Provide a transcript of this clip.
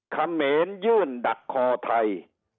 คำเหม็นยื่นดักคอไทย